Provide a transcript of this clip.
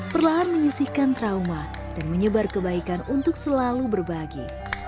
perlahan menyisihkan trauma dan menyebar kebaikan untuk selalu berbagi